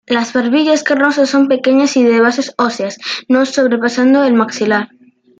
Las barbillas carnosas son pequeñas y de bases óseas, no sobrepasando el maxilar.